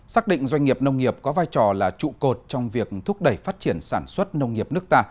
xác định doanh nghiệp nông nghiệp có vai trò là trụ cột trong việc thúc đẩy phát triển sản xuất nông nghiệp nước ta